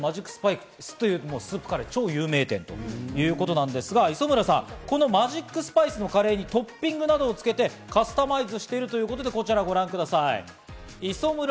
こちら超有名店ということですけれども磯村さん、このマジックスパイスのカレーにトッピングなどをつけて、カスタマイズしているということで、こちらをご覧ください。